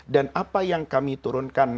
apa yang kami turunkan